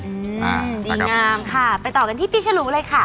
อืมดีงามค่ะไปต่อกันที่ปีฉลูเลยค่ะ